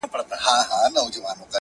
توره مي تر خپلو گوتو وزي خو~